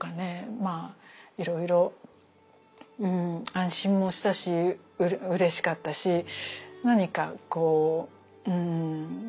まあいろいろ安心もしたしうれしかったし何かこうそうね